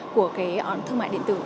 của cái thương mại điện tử